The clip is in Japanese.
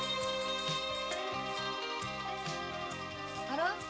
あら？